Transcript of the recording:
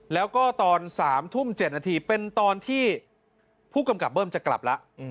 แล้วก็ตอน๓ทุ่ม๗นาทีเป็นตอนที่ผู้กำกับเบิ้มจะกลับแล้ว